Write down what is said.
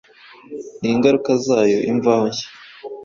n’ingaruka zayo Imvaho Nshya